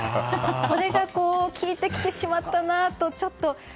それが効いてきてしまったなと。